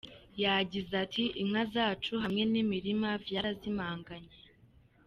Yagize ati:"Inka zacu hamwe n'imirima vyarazimanganye.